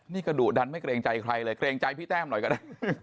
นี่ก็ดุดันไม่เกรงใจใครเลยเกรงใจพี่แต้มหน่อยก็ได้